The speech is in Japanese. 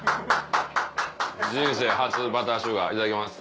人生初バターシュガーいただきます。